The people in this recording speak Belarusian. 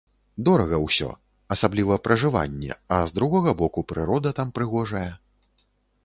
Дорага ўсё, асабліва пражыванне, а з другога боку, прырода там прыгожая.